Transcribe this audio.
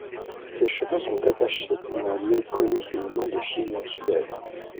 Ses cheveux sont attachés en un nœud connu sous le nom de chignon suève.